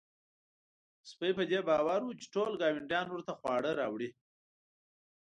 سپی په دې باور و چې ټول ګاونډیان ورته خواړه راوړي.